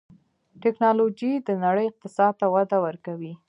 ټکنالوجي د نړۍ اقتصاد ته وده ورکوي.